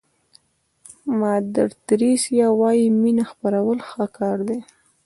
مادر تریسیا وایي مینه خپرول ښه کار دی.